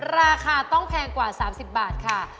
ราคาต้องแพงกว่า๓๐บาทค่ะ